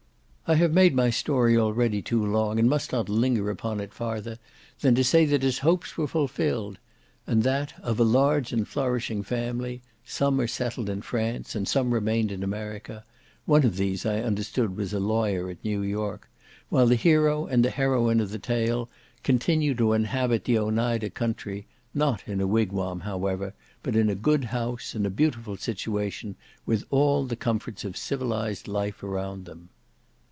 I have made my story already too long, and must not linger upon it farther than to say that his hopes were fulfilled, and that, of a large and flourishing family, some are settled in France, and some remain in America, (one of these, I understood, was a lawyer at New York), while the hero and the heroine of the tale continue to inhabit the Oneida country, not in a wigwam, however, but in a good house, in a beautiful situation, with all the comforts of civilized life around them.